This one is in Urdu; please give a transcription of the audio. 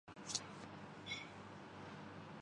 میں نے پہلے کبھی نہیں کیا